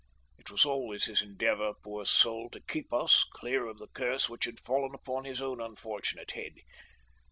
It was always his endeavour, poor soul, to keep us clear of the curse which had fallen upon his own unfortunate head.